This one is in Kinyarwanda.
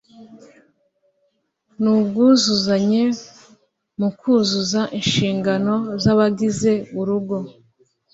n’ubwuzuzanye mu kuzuza inshingano z’abagize urugo